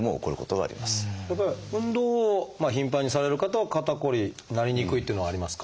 やっぱり運動を頻繁にされる方は肩こりになりにくいっていうのはありますか？